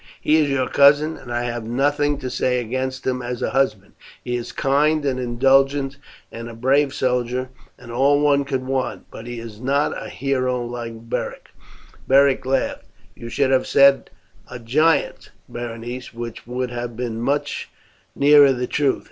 "He is your cousin, and I have nothing to say against him as a husband; he is kind and indulgent, and a brave soldier, and all one could want; but he is not a hero like Beric." Beric laughed. "You should have said a giant, Berenice, which would have been much nearer the truth.